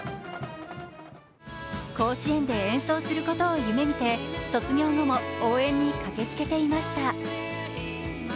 甲子園で演奏することを夢見て卒業後も、応援に駆けつけていました。